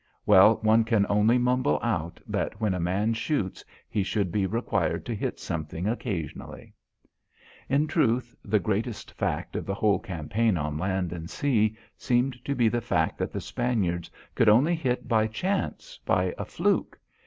Well, one can only mumble out that when a man shoots he should be required to hit something occasionally. In truth, the greatest fact of the whole campaign on land and sea seems to be the fact that the Spaniards could only hit by chance, by a fluke.